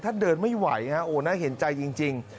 ถ้าเดินไม่ไหวฮะโอ้น่าเห็นใจจริง